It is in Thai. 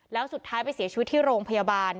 แล้วสุดท้ายไปเสียชีวิตที่โรงพยาบาล